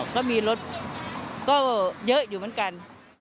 ก็มีรถก็เยอะอยู่เหมือนกัน